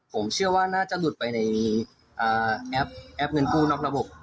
ผมเชื่อว่าน่าจะหลุดไปในแอปเงินกู้นอกระบบ